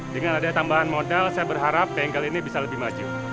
dengan adanya tambahan modal saya berharap bengkel ini bisa lebih maju